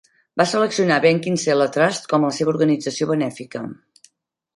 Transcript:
Va seleccionar Ben Kinsella Trust com la seva organització benèfica.